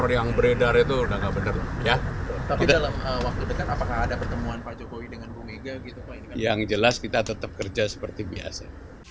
yang jelas kita tetap kerja seperti biasa